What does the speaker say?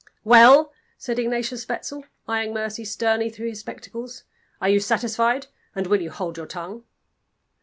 "Well!" said Ignatius Wetzel, eying Mercy sternly through his spectacles. "Are you satisfied? And will you hold your tongue?"